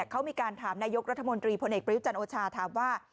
เขามีการถามนายกรัฐมนตรีพลเอกประยุจันทร์โอชาถามว่า